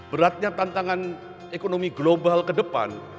beratnya tantangan ekonomi global ke depan